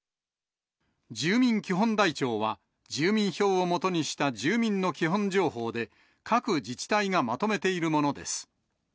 住民基本台帳は、住民票をもとにした住民の基本情報で、各自治体がまとめているものです。